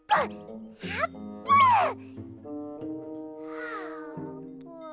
あーぷん。